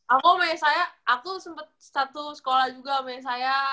aku sama yesaya aku sempet satu sekolah juga sama yesaya